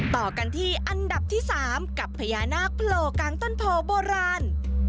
ต่อกันที่อันดับที่๓กับพญานาคโผล่กลางต้นโพโบราณ